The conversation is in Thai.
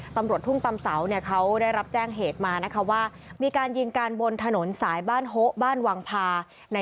ตำรวจธุ่งตำเสาเนี่ยเขาได้รับแจ้งเหตุมานะคะว่า